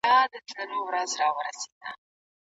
شرعي لارښووني پر دې باندي واضح دلالت کوي.